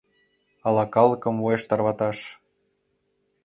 Ала калыкым уэш тарваташ?